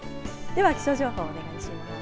気象情報をお願いします。